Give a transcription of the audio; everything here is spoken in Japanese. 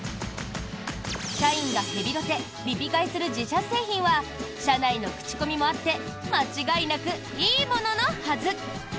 社員がヘビロテ・リピ買いする自社製品は社内の口コミもあって間違いなくいいもののはず！